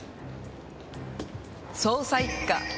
「捜査一課」